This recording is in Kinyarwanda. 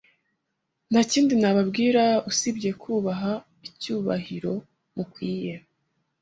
nta kindi nababwira usibye kubaha icyubahiro mukwiye